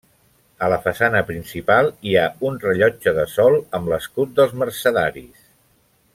A la façana principal hi ha un rellotge de sol amb l'escut dels Mercedaris.